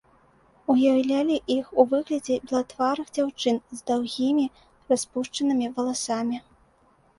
Уяўлялі іх у выглядзе белатварых дзяўчын з даўгімі распушчанымі валасамі.